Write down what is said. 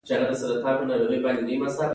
دلته دویمه موضوع یعنې عدالت څېړو.